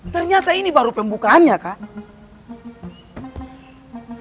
ternyata ini baru pembukaannya kan